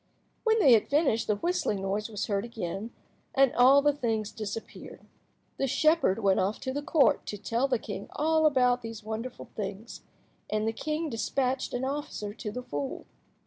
When they had finished the whistling noise was again heard, and all the things disappeared. The shepherd went off to the Court to tell the king all about these wonderful things, and the king despatched an officer to the fool.